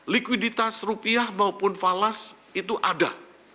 likuiditas rupiah maupun falas itu ada